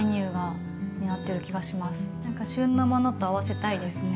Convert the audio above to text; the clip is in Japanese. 何か旬のものと合わせたいですね。